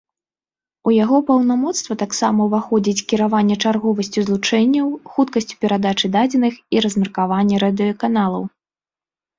У яго паўнамоцтва таксама ўваходзіць кіраванне чарговасцю злучэнняў, хуткасцю перадачы дадзеных і размеркаванне радыёканалаў.